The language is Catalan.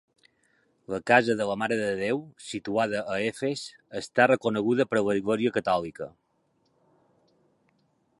La Casa de la Mare de Déu, situada a Efes, està reconeguda per l'església catòlica.